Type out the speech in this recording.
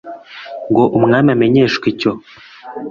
ngo umwami amenyeshwe icyo